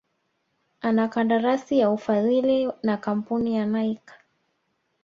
ana kandarasi ya ufadhili na kamapuni ya Nike